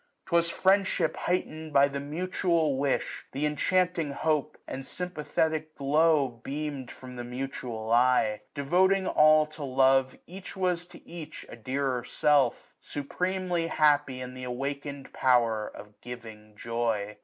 *Twas friendship heightened by the mutual wish ; 1 180 Th' enchanting hope, and sympathetic glow, Beam'd from the mutual eye. Devoting all To love, each was to each a dearer self j Supremely happy in th' awakened power Of giving joy.